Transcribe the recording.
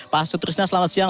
pak sutrisna selamat siang